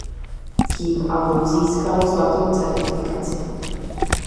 Tím album získalo zlatou certifikaci.